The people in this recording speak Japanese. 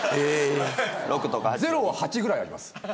ゼロは８ぐらいあります。